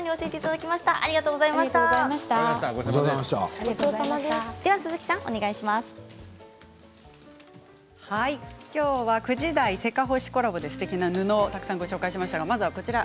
きょうは９時台「せかほし」コラボですてきな布をたくさんご紹介しました。